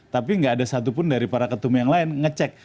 tapi nggak ada satupun dari para ketum yang lain ngecek